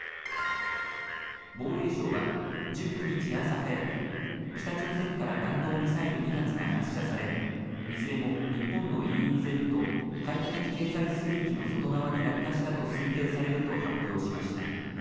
防衛省は１９日朝早く北朝鮮から弾道ミサイル２発が発射され、いずれも日本のＥＥＺ・排他的経済水域の外側に落下したと推定されると発表しました。